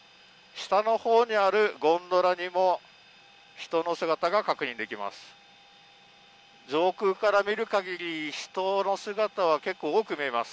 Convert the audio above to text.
下のほうにあるゴンドラにも、人の姿が確認できます。